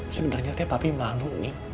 sebenernya papi malu